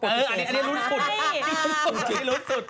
เอออันนี้รู้สึกที่รู้สึก